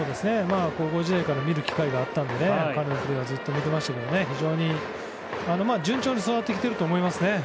高校時代から見る機会があったので彼のプレーはずっと見てましたけど非常に順調に育ってきていると思います。